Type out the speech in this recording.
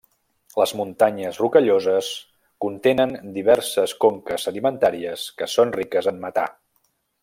Les Muntanyes Rocalloses contenen diverses conques sedimentàries que són riques en metà.